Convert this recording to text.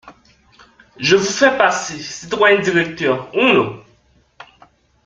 Je vous fais passer, citoyens directeurs, un°.